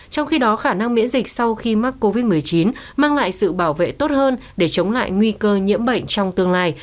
trong khi đó khả năng miễn dịch sau khi mắc covid một mươi chín mang lại sự bảo vệ tốt hơn để chống lại nguy cơ nhiễm bệnh trong tương lai